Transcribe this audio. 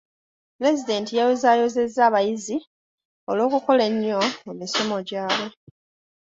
Pulezidenti yayozaayozezza abayizi olw'okukola ennyo mu misomo gyabwe.